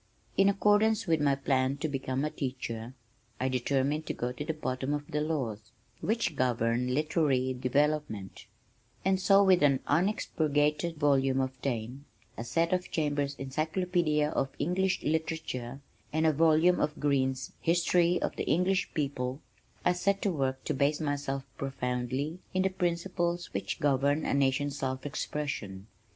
In accordance with my plan to become a teacher, I determined to go to the bottom of the laws which govern literary development, and so with an unexpurgated volume of Taine, a set of Chambers' Encyclopædia of English Literature, and a volume of Greene's History of the English People, I set to work to base myself profoundly in the principles which govern a nation's self expression.